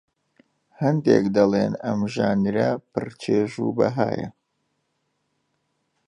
هەندێک دەڵێن ئەم ژانرە پڕ چێژ و بەهایە